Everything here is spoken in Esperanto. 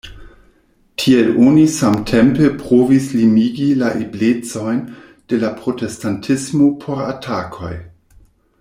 Tiel oni samtempe provis limigi la eblecojn de la protestantismo por atakoj.